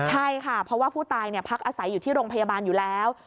ใช่ค่ะเพราะว่าผู้ตายพักอาศัยอยู่ที่โรงพยาบาลอยู่แล้ว